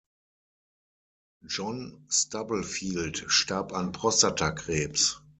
John Stubblefield starb an Prostatakrebs.